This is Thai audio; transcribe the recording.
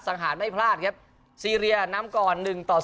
สังหารไม่พลาดครับซีเรียนำก่อน๑ต่อ๐